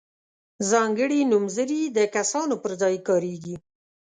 ځانګړي نومځري د کسانو پر ځای کاریږي.